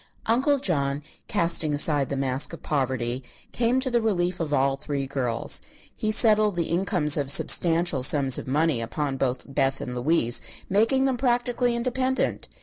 Uncle John, casting aside the mask of poverty, came to the relief of all three girls. He settled the incomes of substantial sums of money upon both Beth and Louise, making them practically independent.